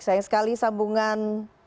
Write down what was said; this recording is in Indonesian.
sayang sekali sambungan